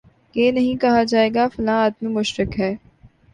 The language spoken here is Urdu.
یہ نہیں کہا جائے گا فلاں آدمی مشرک ہے